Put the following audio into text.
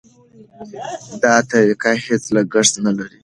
دا طریقه هېڅ لګښت نه لري.